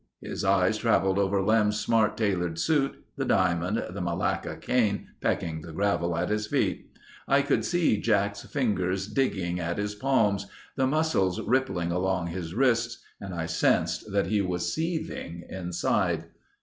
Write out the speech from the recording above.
His eyes traveled over Lem's smart tailored suit, the diamond, the malacca cane pecking the gravel at his feet. I could see Jack's fingers digging at his palms, the muscles rippling along his wrists and I sensed that he was seething inside.